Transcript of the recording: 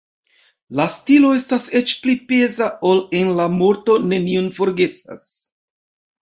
La stilo estas eĉ pli peza ol en La morto neniun forgesas.